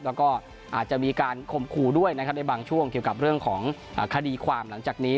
แล้วก็อาจจะมีการคมครูด้วยนะครับในบางช่วงเกี่ยวกับเรื่องของคดีความหลังจากนี้